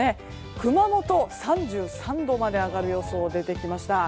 熊本、３３度まで上がる予想が出てきました。